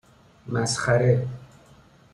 مسخره